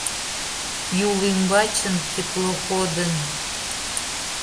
Юл ӱмбачын теплоходын